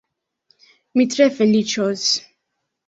Mi tre feliĉos.